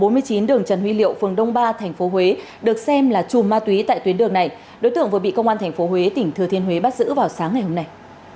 trần ngọc duy chú tại số bốn mươi chín đường trần huy liệu phường đông ba tp huế được xem là chùm ma túy tại tuyến đường này đối tượng vừa bị công an tp huế tỉnh thừa thiên huế bắt giữ vào sáng ngày hôm nay